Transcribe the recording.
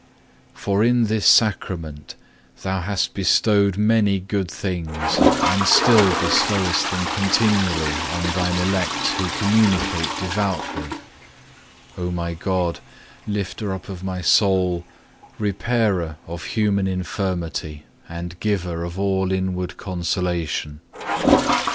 3. For in this Sacrament Thou hast bestowed many good things and still bestowest them continually on Thine elect who communicate devoutly, O my God, Lifter up of my soul, Repairer of human infirmity, and Giver of all inward consolation.